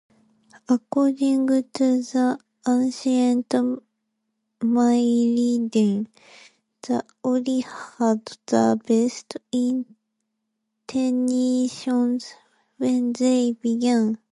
According to the Ancient Myrddin, the Ori had the best intentions when they began.